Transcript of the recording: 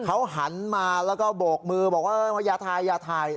เขาหันมาแล้วก็โบกมือบอกว่าอย่าถ่ายอย่าถ่าย